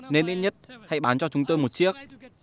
nên ít nhất hãy bán cho chúng tôi một chiếc